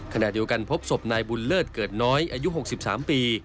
ขณะเดียวกันพบศพนายบุญเลิศเกิดน้อยอายุ๖๓ปี